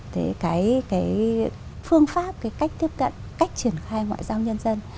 thế cái phương pháp cái cách tiếp cận cách triển khai ngoại giao nhân dân